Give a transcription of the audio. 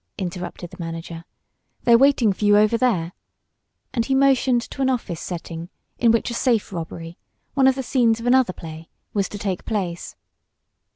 interrupted the manager. "They're waiting for you over there," and he motioned to an office setting, in which a safe robbery, one of the scenes of another play, was to take place.